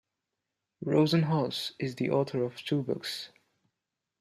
Rosenhaus is the author of two books.